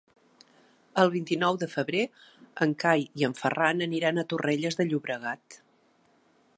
El vint-i-nou de febrer en Cai i en Ferran aniran a Torrelles de Llobregat.